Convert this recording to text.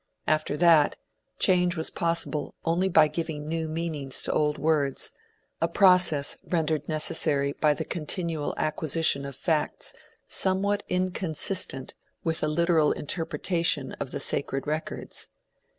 After that, change was possible only by giving new meanings to old words, a process rendered necessary by the continual acquisition of facts somewhat inconsistent with a literal interpretation of the "sacred records."